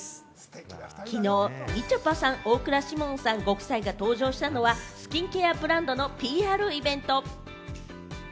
きのう、みちょぱさん、大倉士門さんご夫妻が登場したのは、スキンケアブランドのＰＲイベント。